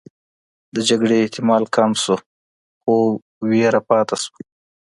د جګړې احتمال کم شو، خو ویره پاتې شوه.